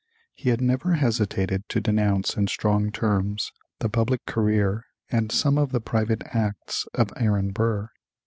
He had never hesitated to denounce in strong terms the public career and some of the private acts of Aaron Burr.